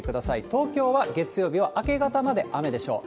東京は月曜日は明け方まで雨でしょう。